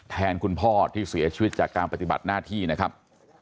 แทนคุณพ่อที่เสียชีวิตจากการปฏิบัติหน้าที่นะครับ